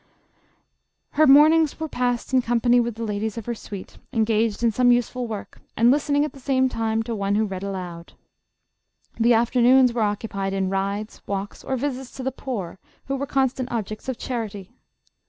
Her mornings were passed in com pany with the ladies of her suite, engaged in some use ful work, and listening at the same time to one who read aloud. The afternoons were occupied in rides, walks, or visits to the poor who were constant objects of charity.